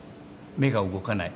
目が動かない。